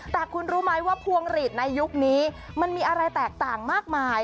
แต่คุณรู้ไหมว่าพวงหลีดในยุคนี้มันมีอะไรแตกต่างมากมาย